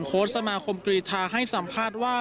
สมาคมกรีธาให้สัมภาษณ์ว่า